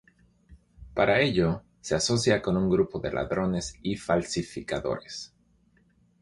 Para ello se asocia con un grupo de ladrones y falsificadores.